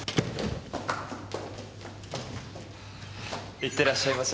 行ってらっしゃいませ。